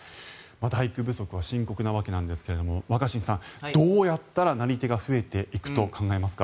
大工不足は深刻なわけなんですが若新さんどうやったら、なり手が増えていくと考えますか？